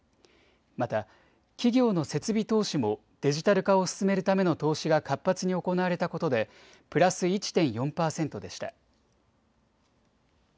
また企業の設備投資もデジタル化を進めるための投資が活発に行われたことでプラス１．４％でした。